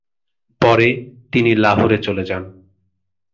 পরে তিনি লাহোরে চলে যান।